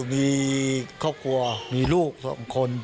มีครอบครัวมีลูก๒คน